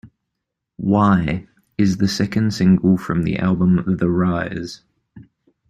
"Why" is the second single from the album "The Rise".